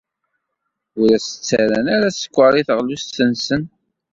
Ur as-ttarran sskeṛ i teɣlust-nsen.